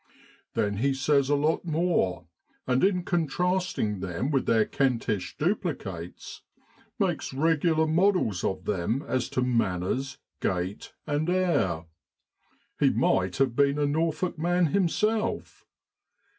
Then he says a lot more, and in contrasting them with their Kentish duplicates, makes regular models, of them as to manners, gait, and air. He might have been a Norfolk man himself.